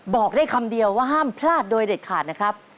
บอกได้คำเดียวว่าห้ามพลาดโดยเด็ดขาดนะครับ